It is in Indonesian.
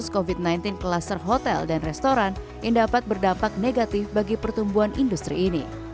untuk menghindari kasus covid sembilan belas kelas terhotel dan restoran yang dapat berdampak negatif bagi pertumbuhan industri ini